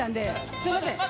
すみません。